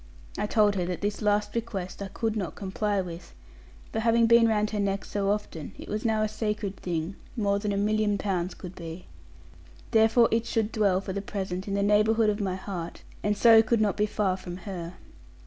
I told her that this last request I could not comply with; for having been round her neck so often, it was now a sacred thing, more than a million pounds could be. Therefore it should dwell for the present in the neighbourhood of my heart; and so could not be far from her.